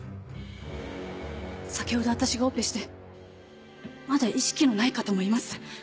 先ほど私がオペしてまだ意識のない方もいます。